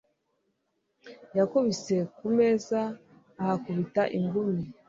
Yakubise ku meza ahakubita ingumi.